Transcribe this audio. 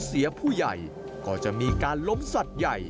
ซึ่งภายในงานเขาก็จะมีการรับประทานอาหารร่วมกัน